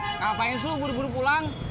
ngapain selalu buru buru pulang